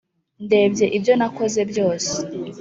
ndebye ibyo nakoze byose.